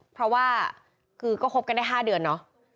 เพราะว่าคือก็คบกันได้๕เดือนเนาะ